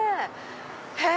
へぇ！